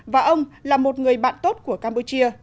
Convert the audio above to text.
và ông là một người bạn tốt của campuchia